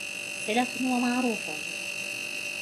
صِلَةٌ وَمَعْرُوفٌ